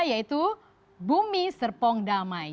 yaitu bumi serpong damai